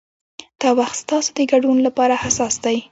دا وخت ستاسو د ګډون لپاره حساس دی.